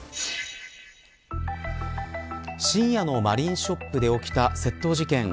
深夜のマリンショップで起きた窃盗事件。